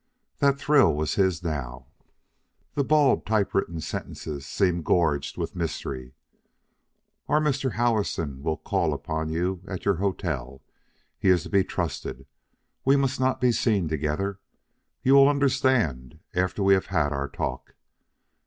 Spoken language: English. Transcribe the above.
That thrill was his now. The bald, typewritten sentences seemed gorged with mystery. "Our Mr. Howison will call upon you at your hotel. He is to be trusted. We must not be seen together. You will understand after we have had our talk."